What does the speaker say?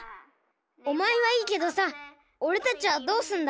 おまえはいいけどさおれたちはどうすんだ？